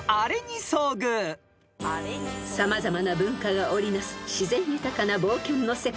［様々な文化が織り成す自然豊かな冒険の世界］